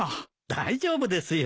大丈夫ですよ。